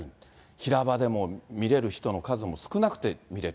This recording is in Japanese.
平場でも診れる人の数も少なくて見れる。